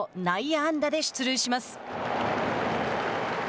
内野安打で出塁します。